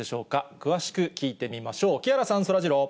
詳しく聞いてみましょう。